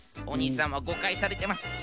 おにさんはごかいされてます。